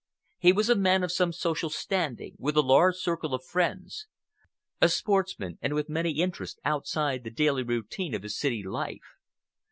He was a man of some social standing, with a large circle of friends; a sportsman, and with many interests outside the daily routine of his city life.